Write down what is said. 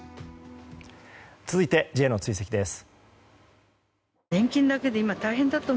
続いて、Ｊの追跡です。